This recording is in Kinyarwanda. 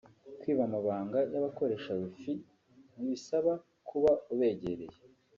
Kwiba amabanga y’abakoresha Wi-Fi ntibisaba kuba ubegereye